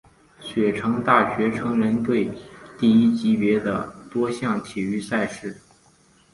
雪城大学橙人队第一级别的多项体育赛事。